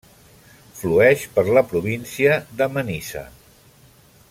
Flueix per la Província de Manisa.